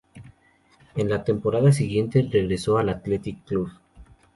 En la temporada siguiente regresó al Athletic Club.